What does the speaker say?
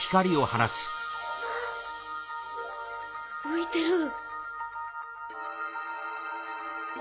浮いてる。